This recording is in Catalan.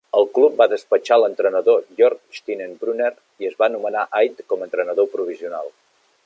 El club va despatxar l'entrenador Jorg Stienebrunner i es va nomenar Aide com a entrenador provisional.